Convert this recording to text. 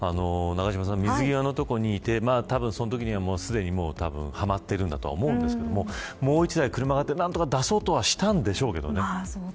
水際の所にいてそのときには、すでにはまっているんだと思うんですけれどもう１台、車がいて何とか出そうとしたんでしょうけどね。